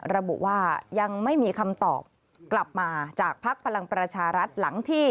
ระบุว่ายังไม่มีคำตอบกลับมาจากพักพลังประชารัฐ